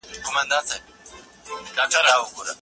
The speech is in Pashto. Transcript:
که زده کړه عمومي وي نو تدريس منظم او هدفمند وي.